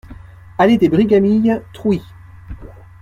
Allée des Brigamilles, Trouy